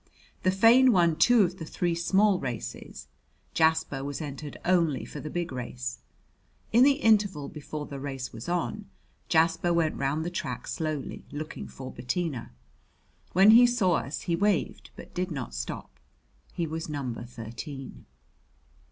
The Fein won two of the three small races. Jasper was entered only for the big race. In the interval before the race was on, Jasper went round the track slowly, looking for Bettina. When he saw us he waved, but did not stop. He was number thirteen.